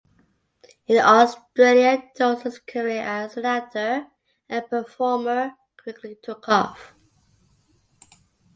In Australia Dorsey's career as an actor and performer quickly took off.